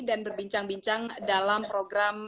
berbincang bincang dalam program